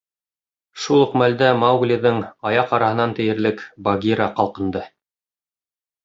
Шул уҡ мәлдә Мауглиҙың аяҡ араһынан тиерлек Багира ҡалҡынды.